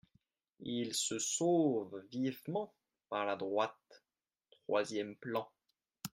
Il se sauve vivement par la droite, troisième plan.